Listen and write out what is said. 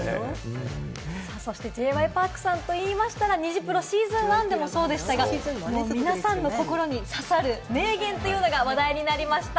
Ｊ．Ｙ．Ｐａｒｋさんといえば、シーズン１でもそうでしたが皆さんの心に刺さる名言というのが話題になりました。